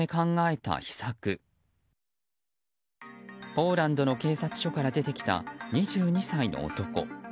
ポーランドの警察署から出てきた２２歳の男。